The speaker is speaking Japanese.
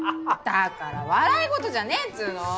だから笑い事じゃねえっつうの！